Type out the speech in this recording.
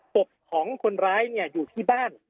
ศพของคนร้ายอยู่ที่บ้าน